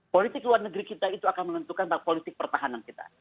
politik luar negeri kita itu akan menentukan bahwa politik pertahanan kita